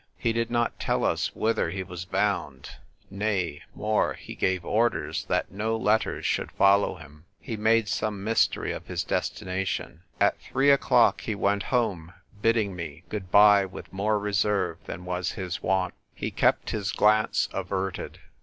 He did not tell us whither he was bound : nay, more, he gave orders that no letters should follow him. He made some mys tery of his destination. At three o'clock he went home, bidding me good bye with more reserve than was his wont. He kept his glance averted.